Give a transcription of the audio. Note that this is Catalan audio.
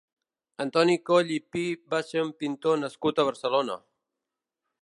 Antoni Coll i Pi va ser un pintor nascut a Barcelona.